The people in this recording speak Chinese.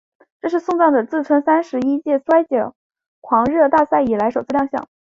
这是送葬者自第三十届摔角狂热大赛以来首次亮相。